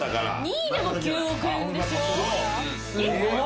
２位でも９億円でしょ？